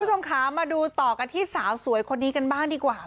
คุณผู้ชมค่ะมาดูต่อกันที่สาวสวยคนนี้กันบ้างดีกว่า